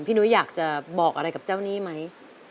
พี่หนุ๊ยอยากจะบอกอะไรกับเจ้านี่ไหม